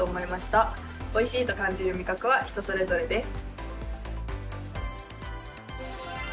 おいしいと感じる味覚は人それぞれです。